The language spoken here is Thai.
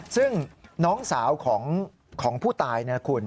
ซึ่งน้องสาวของผู้ตายนะคุณ